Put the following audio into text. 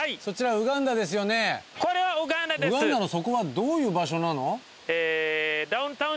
ウガンダのそこはどういう場所なの？